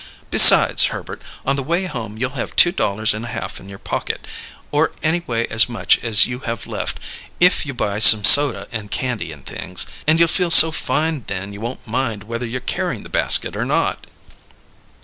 Besides, Herbert, on the way home you'll have two dollars and a half in your pocket, or anyway as much as you have left, if you buy some soda and candy and things, and you'll feel so fine then you won't mind whether you're carrying the basket or not."